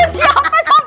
tangan siapa sampai kaget